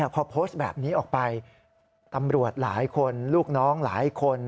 พอโพสต์แบบนี้ออกไปตำรวจหลายคนลูกน้องหลายคน